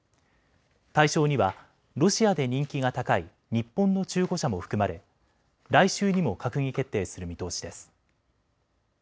対象にはロシアで人気が高い日本の中古車も含まれ来週にも閣議決定する見通しです。